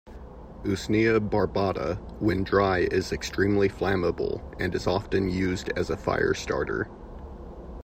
"Usnea barbata" when dry is extremely flammable and is often used as a firestarter.